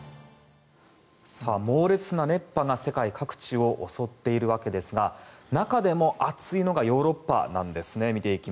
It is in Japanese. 猛烈な熱波が世界各地を襲っていますが中でも、暑いのがヨーロッパなんですね。